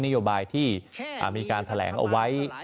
นโยบายที่มีการแถลงเอาไว้